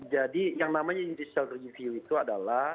jadi yang namanya judicial review itu adalah